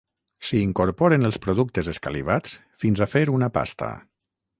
s'hi incorporen els productes escalivats fins a fer una pasta